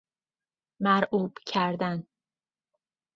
مرعوب کردن